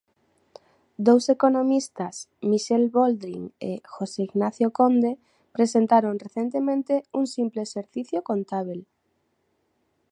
Dous economistas, Michele Boldrin e José Ignacio Conde, presentaron recentemente un simple exercicio contábel.